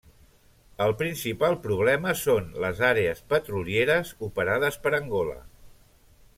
El principal problema són les àrees petrolieres operades per Angola.